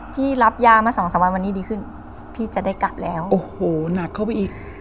พี่รับยามาสองสามวันวันนี้ดีขึ้นพี่จะได้กลับแล้วโอ้โหหนักเข้าไปอีก